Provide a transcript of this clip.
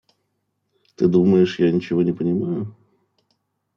Ты думаешь, я ничего не понимаю?